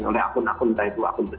oleh akun akun entah itu akun tersebut